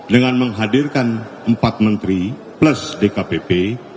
dengan menghadirkan empat menteri plus dkpp